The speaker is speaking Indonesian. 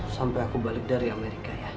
sampai aku balik dari amerika ya